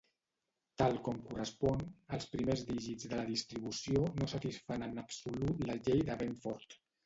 Tal com correspon, els primers dígits de la distribució no satisfan en absolut la llei de Benford.